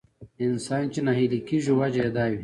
انسان چې ناهيلی کېږي وجه يې دا وي.